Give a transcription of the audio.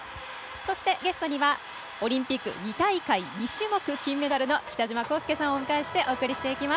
そして、ゲストにはオリンピック２大会連続２種目金メダルの北島康介さんをお招きしてお送りしていきます。